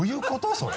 それ。